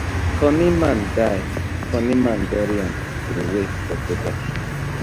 Cunny man die, cunny man bury am troway for gutter.